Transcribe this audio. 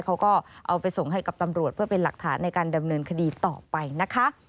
เขาก็เอาไปส่งให้กับตำรวจเพื่อเป็นหลักฐานในการดำเนินคดีต่อไปนะคะ